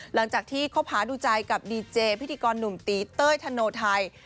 หลังจากที่คบหาดูใจกับดีเจพิธีกรหนุ่มตีเต้ยธโนไทย